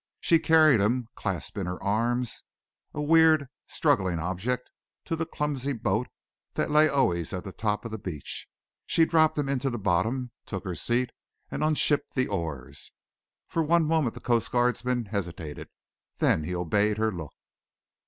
She carried him, clasped in her arms, a weird, struggling object, to the clumsy boat that lay always at the top of the beach. She dropped him into the bottom, took her seat, and unshipped the oars. For one moment the coast guardsman hesitated; then he obeyed her look.